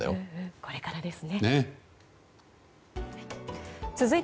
これからですね。